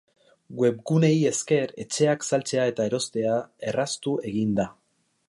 Webguneei esker, etxeak saltzea eta erostea erraztu egin da.